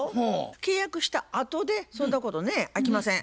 契約したあとでそんなことねあきません。